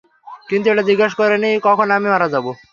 কিন্তু এটা জিগাস করে নি কখন আমি মারা যাবো।